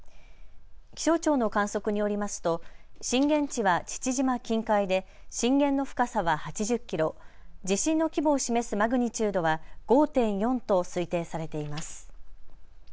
気象庁の観測によりますと震源地は父島近海で震源の深さは８０キロ、地震の規模を示すマグニチュードは５．４と推定されています。